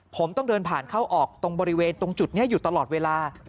ผมต้องเดินผ่านเข้าออกตรงบริเวณตรงจุดนี้อยู่ตลอดเวลา